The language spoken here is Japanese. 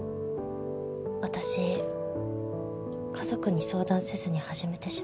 私家族に相談せずに始めてしまったので。